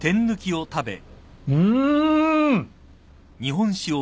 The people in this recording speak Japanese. うん！